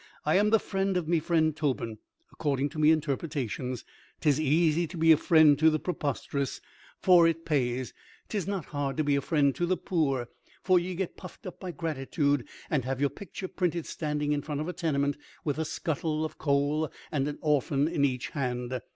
I am the friend of me friend Tobin, according to me interpretations. 'Tis easy to be a friend to the prosperous, for it pays; 'tis not hard to be a friend to the poor, for ye get puffed up by gratitude and have your picture printed standing in front of a tenement with a scuttle of coal and an orphan in each hand.